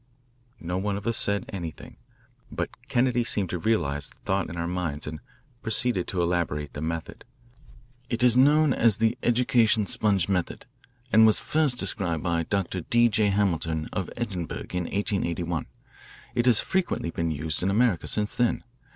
No one of us said anything, but Kennedy seemed to realise the thought in our minds and proceeded to elaborate the method. "It is known as the 'education sponge method,' and was first described by Dr. D. J. Hamilton, of Edinburgh, in 1881. It has frequently been used in America since then.